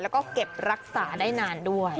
แล้วก็เก็บรักษาได้นานด้วย